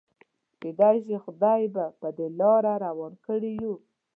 کيدای شي خدای به په دې لاره روان کړي يو.